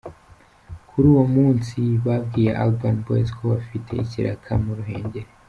Kuri uwo munsi babwiye Urban Boyz ko bafite ikiraka mu Ruhengeri.